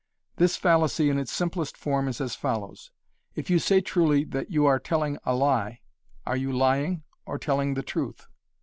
This fallacy in its simplest form is as follows. If you say truly that you are telling a lie, are you lying or telling the truth?